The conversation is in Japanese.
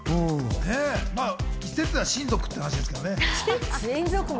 一説では親族っていう話ですけど。